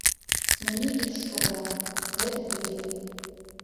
Мне іх шкада, гэтых людзей.